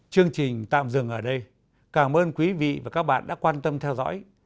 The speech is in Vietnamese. chương trình tạm dừng ở đây cảm ơn quý vị và các bạn đã quan tâm theo dõi